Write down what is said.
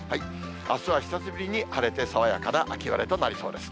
あすは久しぶりに晴れて、爽やかな秋晴れとなりそうです。